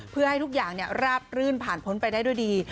เพื่อให้ทุกอย่างราบรื่นผ่านพ้นไปได้ด้วยดี